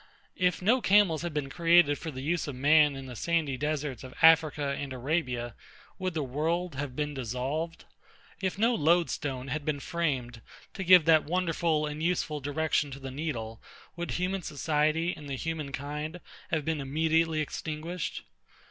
If no camels had been created for the use of man in the sandy deserts of AFRICA and ARABIA, would the world have been dissolved? If no lodestone had been framed to give that wonderful and useful direction to the needle, would human society and the human kind have been immediately extinguished?